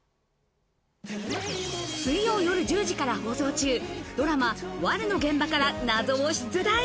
水曜夜１０時から放送中、ドラマ『悪女』の現場から謎を出題。